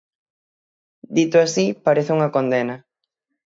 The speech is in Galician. Dito así, parece unha condena.